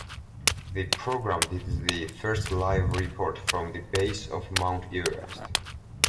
The program did the first live report from the base of Mount Everest.